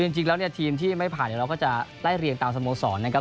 จริงแล้วทีมที่ไม่ผ่านเราก็จะไล่เรียงตามสโมสรนะครับ